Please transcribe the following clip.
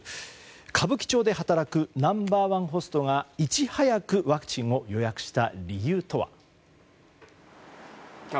歌舞伎町で働くナンバー１ホストがいち早くワクチンを予約した理由とは。